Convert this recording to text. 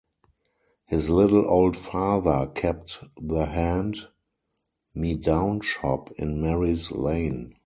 His little old father kept the hand-me-down shop in Mary's Lane.